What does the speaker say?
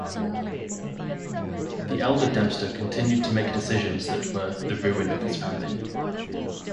The elder Dempster continued to make decisions that were the ruin of the family.